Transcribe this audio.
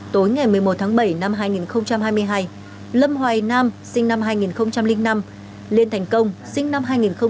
tối ngày một mươi một tháng bảy năm hai nghìn hai mươi hai lâm hoài nam sinh năm hai nghìn năm liên thành công sinh năm hai nghìn một